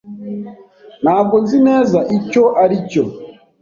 Ntabwo nzi neza icyo aricyo.